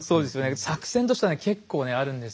作戦としては結構あるんですよね。